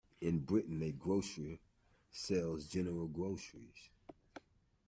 In Britain, a grocer sells general groceries